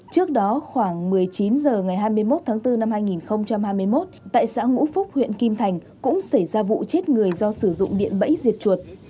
trước đó khoảng một mươi chín h ngày hai mươi một tháng bốn năm hai nghìn hai mươi một tại xã ngũ phúc huyện kim thành cũng xảy ra vụ chết người do sử dụng điện bẫy diệt chuột